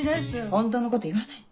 ホントのこと言わない。